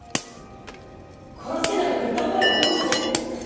殺せなどと言った覚えはありません！